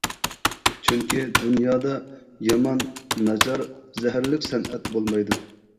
چۈنكى دۇنيادا يامان، ناچار، زەھەرلىك سەنئەت بولمايدۇ.